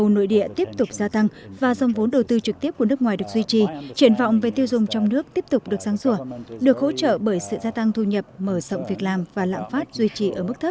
nội địa tiếp tục gia tăng và dòng vốn đầu tư trực tiếp của nước ngoài được duy trì triển vọng về tiêu dùng trong nước tiếp tục được sáng sủa được hỗ trợ bởi sự gia tăng thu nhập mở rộng việc làm và lãng phát duy trì ở mức thấp